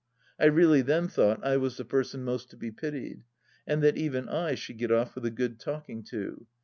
I really then thought I was the person most to be pitied, and that even I should get off with a good talking to.